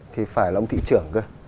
thì phải là ông thị trưởng cơ